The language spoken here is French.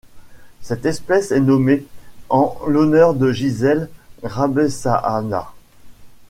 Cette espèce est nommée en l'honneur de Gisèle Rabesahala.